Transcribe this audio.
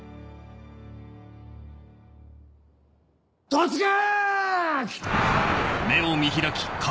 突撃！